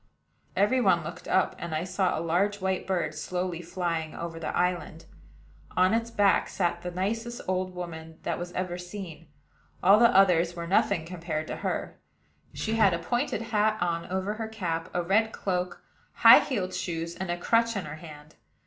Every one looked up; and I saw a large white bird slowly flying over the island. On its back sat the nicest old woman that ever was seen: all the others were nothing compared to her. She had a pointed hat on over her cap, a red cloak, high heeled shoes, and a crutch in her hand.